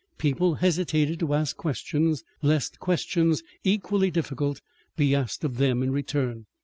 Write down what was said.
People hesitated to ask questions, lest questions equally difficult be asked of them in return.